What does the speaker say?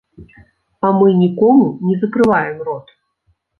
А мы нікому не закрываем рот.